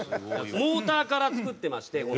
モーターから作ってまして。